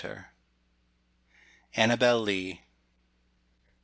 ANNABEL LEE.